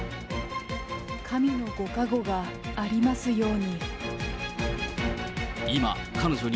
神のご加護がありますように。